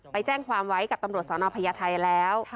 ไปแจ้งความไว้กับตำรวจสนพญาไทยแล้ว